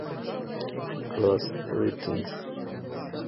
Cross Rhythms.